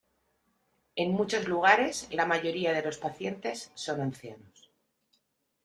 En muchos lugares, la mayoría de los pacientes son ancianos.